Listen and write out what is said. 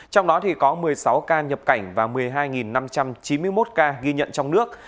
trong đó có một mươi sáu ca nhập cảnh và một mươi hai năm trăm chín mươi một ca ghi nhận trong nước